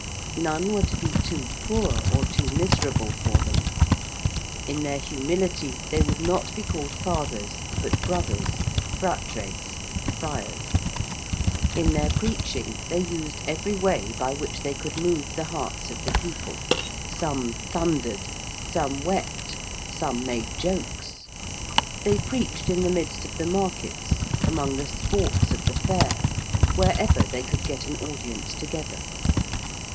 None were to be too poor or too miserable for them. In their humility they would not be called fathers but brothers fratres friars. In their preaching they used every way by which they could move the hearts of the people; some thundered, some wept, some made jokes. They preached in the midst of the markets, among the sports of the Fair, wherever they could get an audience together.